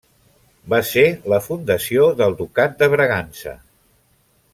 Va ser la fundació del Ducat de Bragança.